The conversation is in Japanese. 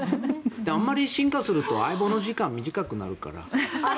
あんまり進化すると「相棒」の時間が短くなるから。